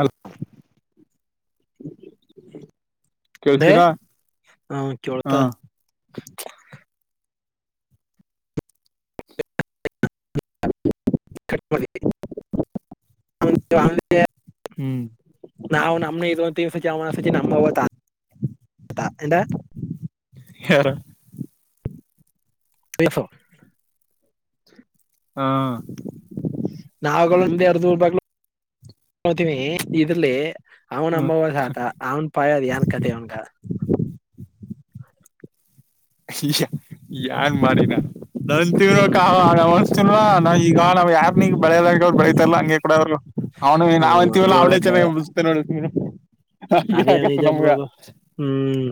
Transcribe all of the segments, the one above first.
ಅಲ್ [unintelligible] ಕೇಳ್ಸಿರಾ [unintelligible] ಹ ಚೋಳ್ತ ಹಾ ಅ [unintelligible] [unintelligible] [unintelligible] ಹ್ಮ್ ಪತ್ತಿ ನಮ್ಮ ಎಂತ ಹೇರು [unintelligible] ಹಾ [unintelligible] ಅವನ್ ಹ್ಮ್ ಅಂಬವ ಸಾತ ಅವನ್ ಪಾಯದು ನ್ ಕತೆ ಅವನಗ ಇ ಯಾನ್ ಮಾಡಿನ ನ ಹ್ಮ್ ತಿವೋನ್ವಾ ನ ಈಗ ನಾವ್ ಯಾರ್ ನೀಗ್ ಬೆಳೆದಾಗ ಬೆಳಿತತಾರಲ್ಲ ಹಂಗೆ ಕೂಡ ಅವರು ಅವ್ನು ನಾವ್ ಹ್ಮ್ ಅಂತೀವಲ್ಲ ಅವ್ಳೇ ಚೆನ್ನಾಗಿ ಹೇಳಕ್ಕಾಗಲ್ಲ ಬತ ನೋಡ ಅದೇ ಹಾಗ ಆತ್ತು ನಿಜ ನಮ್ಗ ಬಿಡೋದು ಹ್ಮ್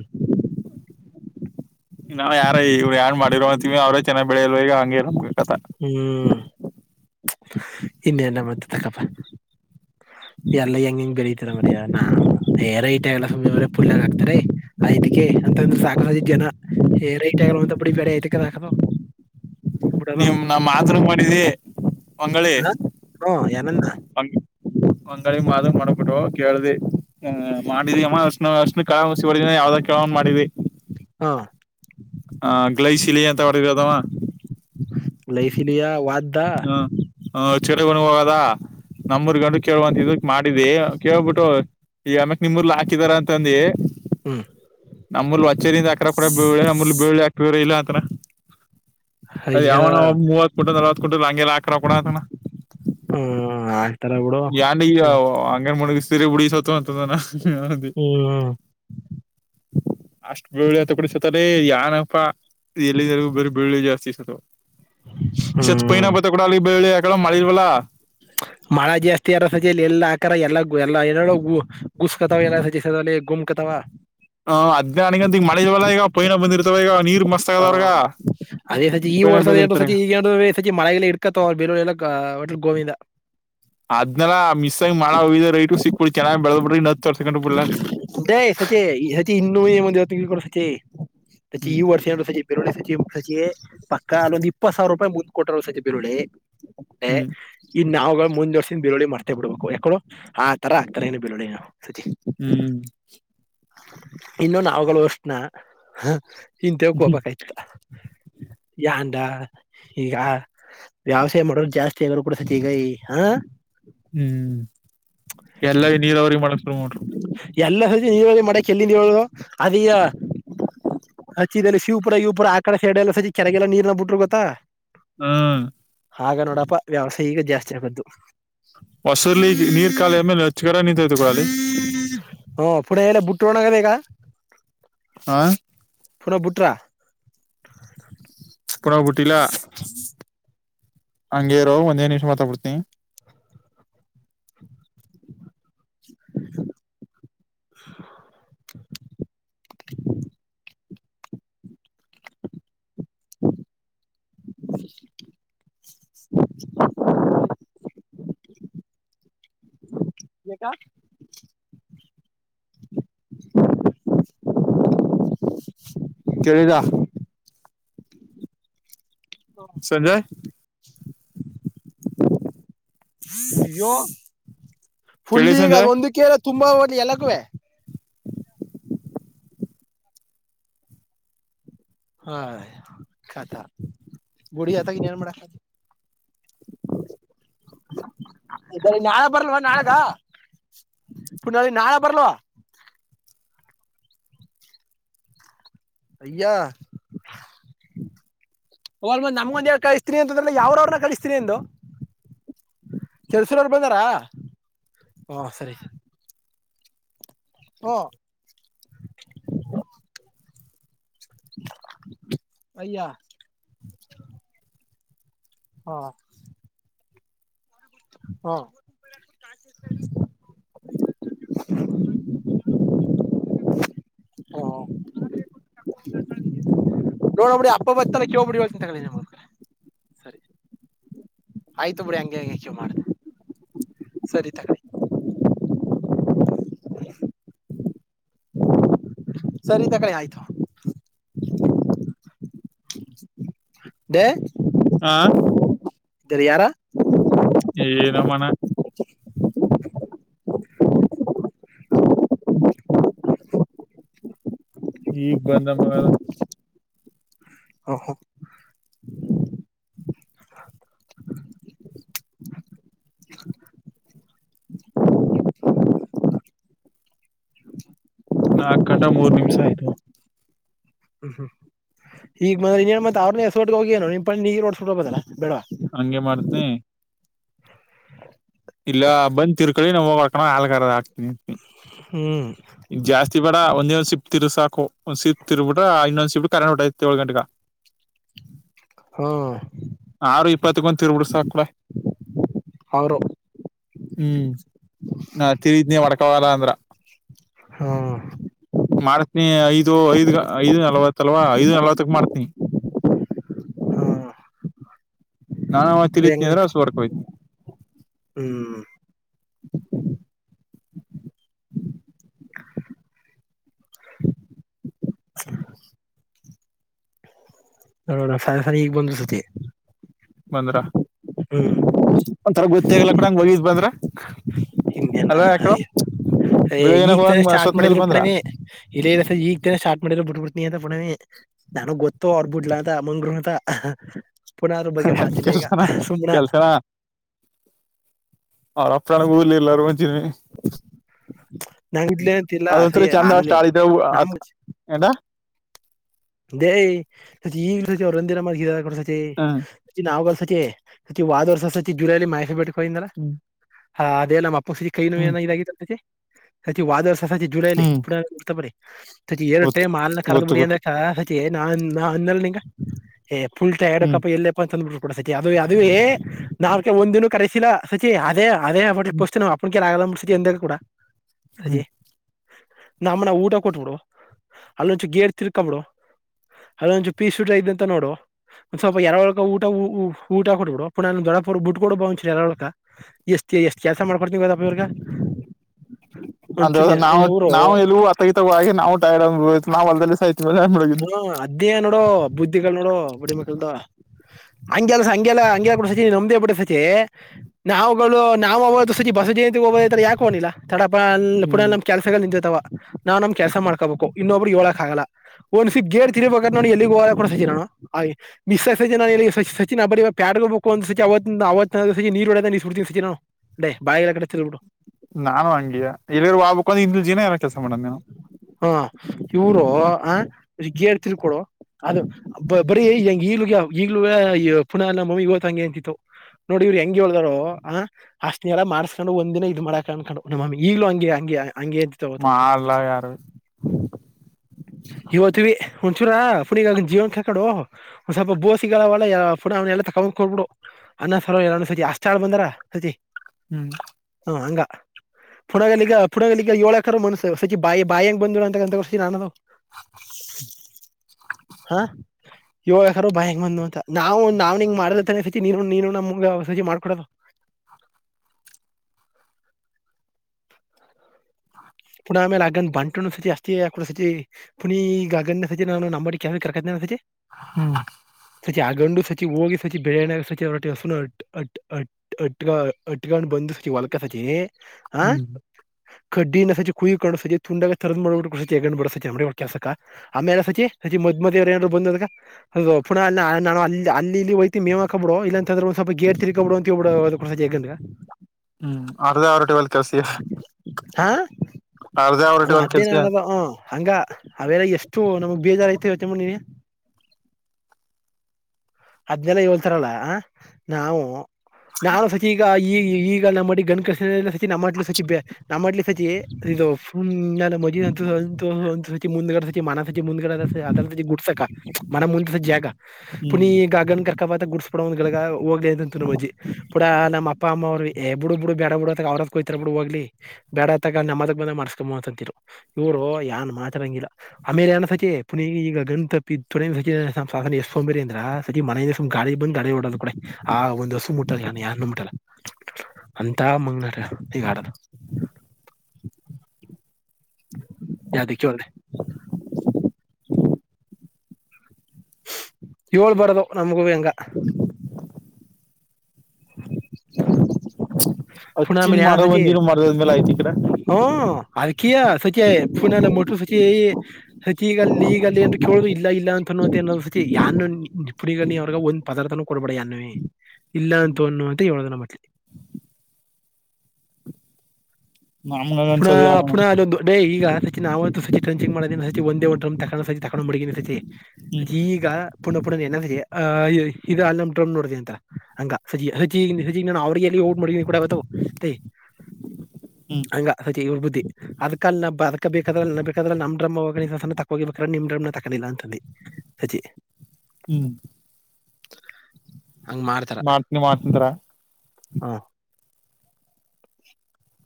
ನಾವ ಯಾರ ಇವ್ರು ಯಏನ್ ಮಾಡರೋ ಅಂತೀವಿ ಅವ್ರ ಚನ್ನಾಗ ಬೆಳಿಲ್ವ ಈಗ ಹಂಗಗೆ ಹ್ಮ್ ಇನ್ನೆಲ್ಲ ಮತ್ತ ತಕ್ಕಪ ಎಲ್ಲ ಹೆಂಗ ಹೆಂಗ್ ಬೆರತಾರ ಮರಿಯ ನಾ ಏ ರೈಟ್ ಆಗಲ್ಲ ಸುಮ್ಮಿ ಅವರ ಪುಲ್ಲಾಗ ಹಕ್ತಾರ ಆಐ್ಿಕ ಅಂತಂದ್ರ ಸಾಕು ಸಾಕ ಜನ ಏ ರಐಟ್ ಆಗಲ್ಲಂತ ಬಿಡಿ ಬೇರೆ ಐತಿಕ ಸಾಕದು ಬಿಡದ ನಾವು ಮಾತರೆ ಮಾಡಿದ್ದಿ ಅಂಗಗಳಿ ಹಾ ಏನನ್ನ ಅಂಗಗಳಿ ಮಾದ ಮಾಡಬಿಟ್ಟು ಕೇಳ್ದಿ್ ಮಾಡಿದಿ ಅಮ್ಮ್ಣಷ್ಣ ಕಸಿವಗಿನ ಯಾವ್ದ ಕೇಳವ್ ಮಾಡಿದಿ ಹಾ ಹ ಗ್ಲೈ ಶಿಲಿ ಎಂತ ಹೊ ಅದಾವ ಲೈಫ್ ಇಲಿಯಾ ವಾದ್ದ ಹಾ ಹ ಚರ ಬುವ ನಮ್ಮೂರ್ ಗಂಡು ಕೇಳುವಂತ ಇದ ಮಾಡಿದಿ ಕೇಳ್ಬಿಟ್ಟು ಈಗ ಅಮಕ್ ನಿಮರ್ಲ್ ಹಾಕಿದಾರ ಅಂತಂದ ಹ್ಮ್ ನಮ್ಮೂರ್ಲ್ ಅಚ್ಚೇರಿಂದ ಅಕ ಕೂಡ ಬಿಮ್ಮ ಬಿ ಹಾಕ್ತರ ಇಲ್ಲ ಅ [unintelligible] ಅದ ಅಯ್ಯ ಯಾವನ ಮೂವತ್ತು ಕೊಟ್ಟ ಲಾಂಗೆಲ್ಲಾಕ ರಕಡತಣ ಹ್ಮ್ ಆಡ್ತಾರ ಬಿಡು ನ್ ಹ್ಮ್ ಹಂಗೇನ್ ಮುಣಗಿಸ ಸೀರಿ ಉುಡಿಿಸತ ಅಂತದಾನ ಹ ಅದೇ ಹ್ಮ್ ಅಷ್ಟ್ ಬೆಳ್ಳಳ್ಳಿ ಅಂತ ಕಡಿಸತಲ್ಲ ಯಏನಪ್ಪಾ ಎಲ್ಲಿಗೂ ಬರ ಬೆಳ್ಳುಳ್ಳಿ ಜಾಸ್ತಿ ಇಸತ ಶತ್ ಹ್ಮ್ ಪೈನಾ ಬತ್ತ ಕೂಡ ಅಲ್ಲಿ ಬೆಳ್ಳಿ ದೆಲ್ಲ ಮಳಿಲ್ವಲ್ಲ. [inaudible] ಮಳ ಜಾಸ್ತಿ ಆರೋ ಸಜಲಿ ಎಲ್ ಅಕಾರ ಎಲ್ಲ ಎಲ್ಲಾ ಏನೇಳು ಗುಸ್ಕತಾವ ಎಲ್ಲ [unintelligible] ಗುಮ್ ಕತಾವ. ಅಹ್ ತವ ಇವ ನೀರ್ ಮಸ್ತ್ ಹಾ ಆಗದವ್ರಗ ಅದೇ ಸಜಿ ಈ ಪೈನ ವರ್ಷದರು ಬೆಳಿರ್ತಾರ ಸಚಿ ಈಗ ಸಚಿ ಮಳೆ ಗಿಳೆ ಇಡ್ಕತ ಅವ್ ಬೇರವ ಎಲ್ಲ ಒಟ್ಲ ಗೋವಿಂದ. ಅದ್ನಲ್ಲ ಮಿಸ್ಸಂಗ ಮಾಡ ಹ ರೈಟ್ರು ಸಿಕ್ಕ ಬಿಳ್ ಚೆನ್ನಾಗಿ ಬೆಳದ ಬಿಟ್ರ ಇನ್ ಹ ದೇ ಸಚೆ ಈ ಸಚೆ ಇನ್ನು ಮಂದಿ ಹೊತ್ತುಳ್ಕಡು ಸಚೆ ಸಚೆ ಹ್ಮ್ ಈ ವರ್ಷ ಹೇಳು ಸಚೆ ಬೆರಳ ಸಚಿ ಸಚೆ ಪಕ್ಕ ಅಲ್ಲೊಂದು ಇಪ್ಪತ್ತು ಸಾವಿರ ರಪಾಯಿ ಮುಂದ್ ಕೊಟ್ರ ಸಚಿ ಬಿರುಳ್ಳಿ. ಹ್ಮ್ [unintelligible] ನಾವುಗಳ್ ಮುಂದ್ವರ್ಸ ಇಂದ್ ಬಿರುಳ್ಳಿ ಮಾಡ್ತೇವ್ ಬಿಡುಕು ಯಕೇಳು ಆ ತರ ಆಗ್ತರ್ ಏನು ಬ ಬಿರುಳಿ ನಾವು. ಹ್ಮ್ ಇನ್ನು ನಾವುಗಳು ಉಷ್ಣ ಅಹ್ ಹಿಂತಾವ್ಕ್ ಹ್ಮ್ ಹೋಗ್ಬೇಕಾಯ್ತು ಯಂಡ ಈಗ ವ್ಯವಸಾಯ ಮಾಡೋ ಜಾಸ್ತಿ ಆಗ್ರರು ಕೂಡಸತಿ ಈಗ ಈ ಹಾ ಹ್ಮ್ ಎಲ್ಲ ನೀರಾವರೀ ಮಾಡಕ್ ಶುರು ಮಾಡ್ಬಿಟ್ರು. ಎಲ್ಲ ಸಚಿ ಇವಾಗೆ ಮಾಡಕ್ ಎಲ್ಲಿಂದ ಹೇಳುದು ಅದ ಹಚ್ಚಿದಲ್ಲಿ ಶಿವಪುರ ಇವ ಪುರ ಆ ಕಡೆ ಸೈಡೆ ಎಲ್ಲ ಸಜಿ ಕೆರೆಗೆಲ್ಲ ನೀರ್ನ ಬಿಟ್ರು ಗೊತ್ತಾ. ಹ್ಮ ಆಗ ನೋಡಪ್ಪ ವ್ಯವಸಾಯ ಈಗ ಜಾಸ್ತಿ ಆಗದ್ದು. ಹೊಸಲಿ ನೀರ್ ಖಾಲಿ ಆ ಮೇಲೆ ನಚ್ಗರ ನಿಂತೈತ ಕೊಡ ಅಲ್ಲಿ. ಟೋಣಗದೆ ಈಗ ಹಾ ಪುನ ಬುಟ್ರಾ. ಇಲ ಹಂಗೇ ಇರೋ ಒಂದೇ ನಿಮಿಷ ಮಾತಾಡ್ಬಡ್ತೀನಿ. [inaudible] [inaudible] ಯಾಕ [inaudible] ಕೇಳಿದ. ಸಂಜಯ್ ಅಯ್ಯೋ ಫುಲ್ ಕೇಳಿ ಈಗ ಅದ ಸಂಜಯ್ ಒಂದು ಕೆರೆ ತುಂಬ ಅವದ್ಲಿ ಎಲ್ಲಗುವೇ. ಹಾ ಕಥ ಬುಡಿಿಯ ಆತ ನ್ನ್ ಮಾಡದು ನಾಳೆ ಬರಲ್ವಾ ನಾಳೆಗ ಪುಲ್ಲಿ ನಾಳೆ ಬರ್ಲ್ವಾ ಅಯ್ಯ ಅವಲ್ ನಮ್ಗಂದ ಕಳಿಸ್ತೀನಿ ಅಂತಂದ್ರ ಯಾವ್ರ ಅವ್ರನ್ನ ಕಳಿಸ್ತೀನಿಂದು ಕೆಲಸರವರು ಬಂದಾರ ಹಾ ಸರಿ ಹಓ ಅಯ್ಯ ಹಾ ಹ ಹ ನೋಡ ಅಪ ಬ ಪಡ ಚಿಂತ ಕ ನಿ ಆಯ್ತು ಬಿಡಿ ಹಂಗಗೆ ಹಂಗಕ ಮಾಡ್ದ ಸರಿ ತಗ ಸರಿ ತ ಕಡೆ ಆಯ್ತು [inaudible] ಹಾ ಇದರ ಯಾರ ಏನೋ ಮನ ಹ ಈಗ್ ಬಂದ ಮಗ ಹ ಹೋ ನಾಕ ಗಂಟಾ ಮೂರ್ ನಿಮಿಷ ಆಯ್ತು ಹ್ಮ್ ಹ್ಮ್ ಈಗೆ ನೀೇನ್ ಮತ್ತತ್ ಅವ್ರನ್ನ ಹೆಸಕಟ್ಟಗ ಹೋಗಿಏನು ನಿನ್ ಪ ನೀಗ ನೋಡ್ಸ್ಕಿ ಬದಲ್ಲ ಹಂಗೆ ಮಾಡ್ತನಿ ಇಲ್ಲ ಬಂದ್ ತಿರ್ಕೊಳ್ಳಿ ನಾ ಹೋಗಳ್ಕ ಹಾಗಾರದ ಹಾಕ್ತೀನಿಂತಿ ಹ ಹ್ಮ ಒಂದ ಒಂದ್ ಶ ಸಿಫ್ಟ ತಿರು ಸಾಕು ಒಂದ್ ಸಿಿಪ್ ತಿರ್ಬ ಬಿಟ್ರ ಇನ್ನೊಂದ್ ಶಿಫ್ಟ ಕರೆಟ್ ಹೊಟೈತಿ ಏಳ್ ಗಂಟಗ ಹಾ ಯಾರು ಇಪ್ಪತ್ತಗೊಂತ ತಿರ್ಬಿಡ್ ಸಾಕ್ಳ ಅವರು ಹ್ಮ್ ನ ತಿಳಿದನಿ ವಡ್ಕಾಗಲ್ಲ ಅಂದ್ರ ಹಾ ಮಾಡ್ತನಿ ಐದು ಐದ್ ಐದು ನಲ್ವತ್ ಅಲ್ವಾ ಐದು ನಲ್ವತ್ತಕ್ ಮಾಡ್ತನಿ ಹ್ಮ್ ನಾನ ಅವಾಗ ಅದೇ ತಿಳತನಿ ಹೆಂಗಂತ ಅಂದ್ರೆಸ ಹೊರ್ಕ ಹೋಯ್ತಿ ಹ್ಮ್ ನೋೋಣ ಸ ಸ ಈಗ ಬಂದು ಸತಿ ಬಂದ್ರ ಹ್ಮ್ ತೇಗಲ್ಲ ಕೂಡಂಗ ಒಗಿದ್ ಬಂದ್ರ ಅಲ್ ಯಾಕ ಅ ಈಗ ತಾನೆ ಸ್ಟಾರ್ಟ ಮಾಡಿದ್ರು ಪೂಡೇ ಇಲ್ಲೇಸ ಈಗ ತಾನೆ ಸಾರ್ಟ್ ಮಾಡಿದ್ರು ಬಿಟ್ಬಿಡ್ತ ನೀ ಅಂತ ಪುಣ ನಾನು ಗೊತ್ತುೋ ಅವರ್ಬಿಡ್ಲಾ ಅಂತ ಅಮ್ಮಂಗರು ಅಂತ ಪುನಃ ಅದ್ರ ಬಗ್ಗೆ ಎ ಮಾತಿಲ್ಲ ಈಗ ಕೆಲ್ಸನ ಸುಮ್ನ ಕೆಲ್ಸನ ಆ ರಪ್ಪನಗ ಹೂಲಿ ಎಲ್ಲಾರ ಬಂತೀಿ ನ ಅದೊಂರ ಚೆಂದ ಅಷ್ಟು ಆಳಿದೆ ನಮ್ ಎಂಡ ದೇ ಈ ಅರಂದರ ಗ ಹ್ಮ್ ನಾಾವ ಬ ವಾದ ವರ್ಷ ಜುಲೈಲಿ ಮಾಹಸಟ್ಟ [unintelligible] ಹಯಿಂದ್ರ [unintelligible] ಹ್ಮ್ ಹಾ ಅದೇ ಅ ಮ ಪು ಸಿ ಕೈನು ಹ್ಮ್ ಏನ ಇದಾಗಿಿತಲ್ತೆೆ ಹ ವಾದಳ [unintelligible] ಸಸಚಿ ಜುಲೈ ಹ್ಮ್ ಪು ಉರ್ತ ಬರ [unintelligible] ಹ ಏ ರೊಟ್ಟೆ ಗೊತ್ತು ಮಾಲ್ ನಖರಚ ಗೊತ್ತು ಬುಡಿಯೆ ಗೊತ್ತು [unintelligible] ಕೆ ನಾನ್ ನಾ ಅಂದೇಲ್ ನಿಂಗ ಏಫುಲ್ಟಾ ಹ್ಮ್ ಎಡಕ್ಕಪ್ಪ ಎಲ್ಲಪ್ಪ ಅಂತ ಅಂದ್ಬಿಟ್ಟು ಕೂಡ ಸಚಿ ಅದು ಅದು ಏ ನಾವ್ಕ ಒಂದಿನ ಕರೆಸಿಲ್ಲ ಸಚಿ ಅದೇ ಅದೇ ಅವಬಟ್ಟ ಪಸ್ತವು ಅ [unintelligible] ಆಲಲ ಮುಸ ಎಂದೆ ಕೂಡ ಹ್ಮ ಸಚಿ ನಮ್ಮನ ಊಟ ಕೊಟ್ಬಿಡು ಅಲ್ಲೊಂಚು ಗೇರ್ ತಿರ್ ಹಕೊ ಬಿಡು ಅದೊಂದುಚು ಪೀಸ್ಟ ಇದ ಅಂತ ನೋಡು ಒಂದ್ ಸ್ವಲ್ಪ ಎರ ಒಳಕ ಊಟ ಊಟ ಕೊಟ್ಬಿಡು ಪುಣ ದೊಡಪ ಬ ಬಿಡ್ ಕೊಡು ಬಂಚ ಎರಡುಳಕ ಎಷ್ಟ ಎಷ್ಟ ಕೆಲ್ಸ ಮಾಡ್ಕೊಡ್ತ ಗದಪ್ಪ ಇರ್ಗ ಅಂದ್ರ ನಾವು ನಾವು ಎಲ್ಲೂ ಅತತವಾಗಿ ನಾವು ಟೈಯಡ್ [inaudible] ನಾವ ಹೊಲದಲ್ಲಿ ಸಯ್ ಹ ಅದ್ದೇ ನೋಡು ಬುದ್ಧಿಗಳು ನೋಡು ಬಡಿಮಕ್ಳದ ಹಂಗೆಲ್ಲ ಹಂಗೆಲ್ಲ ಹಂಗೆಲ್ಲ ಕೂಡ ಸಚಿ [unintelligible] ನಮದೇ ಬಿಟ್ಟ ಸಚಿ ನಾವುಗಳು ನಾವವು ಅವ ಸಚಿ ಬಸವಜೇನ್ ಯಾಕ ಒಗಳಿಲ್ಲ ತಡಪ್ಪ ಅ ಪುನ ಹ್ಮ್ ನಮ್ ಕೆಲಸಗಳು ನಿಂತತವ ನಾವ್ ನಮ ಕೆಲ್ಸ ಮಾಡ್ಕೋಬೇಕು ಇನ್ನೊಬ್ಬ್ರಿಗೆ ಎಳಕ್ ಆಗಲ್ಲ ಒಂದ್ ಸಿಚಿ ಗೇರ್ ತಿರ್ಬೇಕ ನು ಎಲ್ಲಿಗೆ ಹೋಗ ಕಡ ಸಚಿ ನು ಮಿಸ್ ಸಜಿ ನ ಸಚಿ ಪ್ಯಾಟೆಗಹೋಗ್ಬೇಕು ಸಸಚಿ ಅವತಿಂದ ನೀರ್ಹೊಡಡ್ತ ಸಚ ನು ಬಾಳಡು [unintelligible] ನಾನು ಹಂಗಿಯ ಇಲ್ಲಿ ಬಾಬಕ ಯಿಂದಜೀನ ಏನ ಕೆಲ್ಸ ಮಾಡನ ಹಾ ಇವರು ಆ ಗೇರ್ ತಿರ್ ಕೊಡು ಅದು ಬರೀ ಹೆಂಗ ಈಗ್ ಈಗ್ಲೂ ಪುನಃ ನಮ್ಮಮ್ಮಿ ಇವತ್ತು ಹಂಗೆ ಅಂತಿತ್ತು ನೋಡಿ ಇವ್ರು ಹೆಂಗಗೆ ಹೇಳ್ದಾರೋ ಆ ಅಷ್ಟನ ಎಲ್ಲ ಮಾಡಸ್ಕೊಂಡು ಒಂದ್ನ ಇದ್ ಮಾಡಾಕ ಅನ್ಕೊಂಡು ನಮ್ಮಮ್ಮಿ ಈಗ್ಲೂ ಹಂಗೆ ಹಂಗೆ ಅಂತಿತ್ತು ಅವತ್ತು ಮಾ ಎಲ್ಲಾ ಯಾರ- ಇವತ್ವಿ ಒಂಚೂರ ಈಗ ಜೀವನ್ ಕಳ್ಕಡು ಒಸ್ವಲ್ಪ ಬೋಸ ಸಿಗಲ್ಲ [unintelligible] ಪುಡ ಅವ್ನ ಎಲ್ಲ ತಗೊಂದ್ಕೋಡ್ಬಿಡು ಅನ್ನ ಸ ಸತಚಿ ಅಷ್ಟಾಳ್ ಬಂದರ ಸತಚಿ ಹ್ಮ್ ಹಂಗ ಪುಡಗ ಈಗ ಪುಡಗ ಈಗ ಏಳಕರ ಮಸ್ಸು ಸಚಿ ಬಾಯಿ ಬಾಯಂಗ ಬಂದ್ರು ಅಂತ ರ ಆನ್ನದು ಹಾ ಯುವ ಯಕರು ಭಯಂಗ ಬಂದ ಅಂತ ನಾವು ನಾವ್ ಹಂಗ ಮಾಡಲತಾನ ಸಚಿ ನೀನು ನೀನು ನಮಂಗ ಸಚಿ ಮಾಡ್ಕೊಡದು ಹ ಪುನ ಆಮೇಲೆ ಅಗನ್ ಬಂಟು ಸತಿ ಅಸ್ತಿ ಹಾಕ ಸತಿ ಪುನ ಈಗ ಸತಿ ನಾನು ನಂಬ ಕರ್ಕತಿ ಹ್ಮ್ ಸಚಿ ಆಗಂಡು ಸಚಿ ಹೋಗಿ ಸಚಿ ಬಿರಿಯಾನಿ ಆಗ ಸಚಿಟ್ಟಿ ಹಸು ಅಟ್ ಅಟ್ ಅಟ್ಗ್ ಅಟ್ಕೊಂಡ್ ಬಂದು ಸಚಿ ಹೊಲ್ಕ ಸಚಿನಿ ಹ್ಮ್ ಕಡ್ಡಿ ನಸೆ ಕುಯ್ಕು ಸಿ ತುಂಡಗ ತರದ್ ಮಾಡ್ಬಿಟ್ಟು ಕುಸಗ್ ಬಿಡ ಸಚಿ ಕೆಸಕ ಆಮೇಲೆ ಸಚಿಜ ಮ್ದವನಾದರು ಬಂದದಾಗ ಪುನಃ ಅ ನಾನು ಅಲ್ಲಿ ಅಲ್ಲಿ ಹುಯಿತಿಮಿ ಮೇ್ವ್ಕ ಬಿಡು ಇಲ್ಲ ಅಂದ್ರೆ ಒಂದ ಸ್ವಲ್ಪ ಗೇರ್ ತಿರ್ಕಬ ಬಿಡು ಅಂತ ಹಳ್ಡುಸ ಹೆಗಂಡ ಹ್ಮ್ ಅರ್ಧ ಆ ರೊಟಿ ಒಲ್ ಕೆರ್ಸಿಯ ಹಾ ಅರ್ದ ಹ ಅವರಟಲ್ ಅದೇನ ಕೆಲ್ಸ ಅನ್ನೋದು ಹ ಹಂಗ ಅವೆಲ್ಲ ಎಷ್ಟು ನಮಗ್ ಬೇಜಾರ ಐತಿ ಯೋಚಮಡನಿನ್ ಅದ್ನೆಲ್ಲ ಹೇಳ್ತಾರಲ್ಲ ನಾವು ನಾನು ಸತಿ ಈಗ ಈ ಈಗಲ್ಲ ಮಾಡಿ ಗನ ಕಸಲ್ಲ ನಮ್ಮ ಅಟ್ಲು ಸತಿ ನಮ್ಮ ಅಟ್ಲ ಸತಿ ಇದುು ನ ಮಜಂತ ಸ ಮುಂದಗಡೆ ಮ ಮು ಅ ಗುಡಸಕ ಮ ಮುಸ ಜಗ ಪ ಈ ಹ್ಮ್ ಕರ್ಕಬ ಗುಸ್ಬಡ ಒಂದಿಳಗ ಹೋಗ್ಲಿ ಅಂತ ನಮ್ಮಜ್ಜಿ ಪುಡ ನಮ್ಮಪ್ಪ ಅಮ್ಮ ಅವ್ರು ಬಿಡು ಬ ಬಿಡು ಬೇಡ ಬ ಬಿಡು ಅ ಅವ್ರಯತಾರ ಬಿಡು ಹೋಗ್ಲಿ ಬೇಡ ಅತ್ತ ನಮ್ಮದಕ್ ಬಂದ ಮಾಡಸ್ಕೊಂಬ ಅಂತಿರು ಇವರುಏನ್ ಮಾತ್ರಂಗಿಲ್ಲ ಆಮೇಲೆ ನ ಸಚತಿ ಪುನೀ ಈಗ ಗಂ ಸನ ಎಸ್ಕೊಂಬಿರ ಅಂದ ಸತಿ ಮನ ದಿವಸ್ ಗಾಡಿ ಬಂದ್ ಗಾಡಿ ಓಡಲ್ ಕೂ ಆ ಒಂದ್ಿವಸ ಮುಟ್ಟ ಮುಲ್ಲ ದಾ ಮಂಗನ ಈ ಗಾಡ [unintelligible] ಯಾದಕ್ಕೆ ಒ್ರೆ ಏಳ್ ಬರದು ನಮಗೂ [unintelligible] [inaudible] ಅಚ್ಚಿನ್ ಮಾಡ ಬಂದಿರ ಮಾಡಿದದ್ಮೇ ಆ್ತು ಾ ಹ್ಮ ಅಕಿಯ ಸಚ ಪುನಲ್ಲ ಮಟು ಸಚ ಹ ಈಗ ಅಲ್ಲಿ ಈಗ ಅಲ್ಲಿ ಅ ಕೇಳುವ ಇಲ್ಲ ಇಲ್ಲ ಇಲ್ಲ ಅಂತ ಅನ್ನುವಂತನ್ನೊಂದ್ಸತಿ ಯಾನು ನಿ ಪುಣಿಗ ಅವ್ರಾಗ ಒಂದ್ ಪದಾರ್ಥನ ಕೊಡ್ಬೇಡ ಯಾನೇ ಇಲ್ಲ ಅಂತ ಅನ್ನುಂತ ಹೇಳೋದನ್ನ ಮಲಿ ನಮ್ಗ ಪುಣಃ ಅನ್ಸೋದಿಲ್ಲ ಕಣೋ. ಪುನಃ ಅಲ್ಲಿೊಂದು ಡೇ ಈಗ ಸಚ ನಾವಂತ ಸಚ ಟಂಚಂಗ ಮಾಡಿದ ಸ ಒಂದ ಒ ತ ಸ ತಕೊಂಡು ಮಾಡಿದ್ದನಿ ಸತಿ ಅ ಹ್ಮ್ ಈಗ ಪುಣಃ ಪುಣ ಸಜ ಇದು ಅ ನ ಡ್ರ್ ನೋಡಿದೆ ಅಂತ ಹಂಗ ಸಜ ಸಜ ಸಜ ನಾ ಅವ್ರಿಗೆ ಎಲ್ಲಿ ಹೋಗ ಮಾಡನಿ ಕೂಡ ಬತವು ಸೇ ಹ್ಮ್ ಹಂಗ ಸಚಿ ಇವ್ರ ಬುದ್ಧಿ ಅದಕಾಲ ನ ಅದ್ ಬೇಕಾದ್ರ ನ ಬೇಕಾದ್ರ ನಮ್ ಡ್ರಮ ಹ ಸಣ್ಣ ತಗೋಗಿಬೇಕ್ರ ನಿಮ್ ಡ್ರಮನ ತಕದಿಲ್ಲ ಅಂತಂದ ಸಚಿ ಹ್ಮ್ ಮಾಡ್ತೀನಿ ಮಾಡ್ತಂತರ ಹಾ [inaudible]